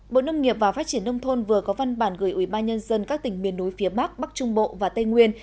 bộ nông nghiệp và phát triển nông thôn vừa có văn bản gửi ủy ban nhân dân các tỉnh miền núi phía bắc bắc trung bộ và tây nguyên